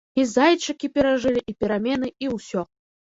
І зайчыкі перажылі, і перамены, і ўсё.